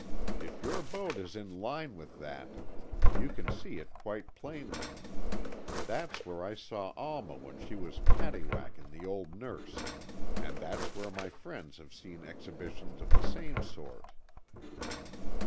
If your boat is in line with that, you can see in quite plainly. That's where I saw Alma when she was paddywhacking the old nurse, and that's where my friends have seen exhibitions of the same sort."